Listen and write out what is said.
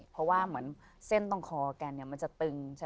เพราะว่าเหมือนเส้นตรงคอแกเนี่ยมันจะตึง